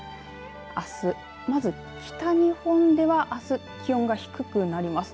あす、まず北日本ではあす、気温が低くなります。